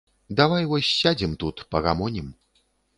Давай вось сядзем тут, пагамонім.